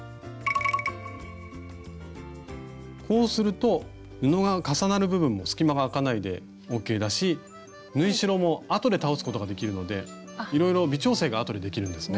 こうすると布が重なる部分も隙間が空かないでＯＫだし縫い代もあとで倒すことができるのでいろいろ微調整があとでできるんですね。